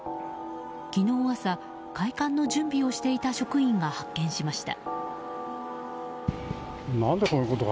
昨日朝、開館の準備をしていた職員が発見しました。